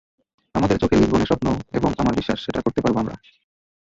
আমাদের চোখে লিসবনের স্বপ্ন এবং আমার বিশ্বাস সেটা করতে পারব আমরা।